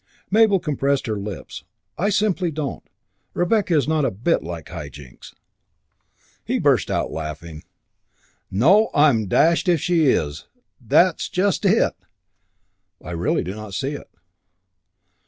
Mabel compressed her lips. "I simply don't. Rebecca is not a bit like High Jinks." He burst out laughing. "No, I'm dashed if she is. That's just it!" "I really do not see it."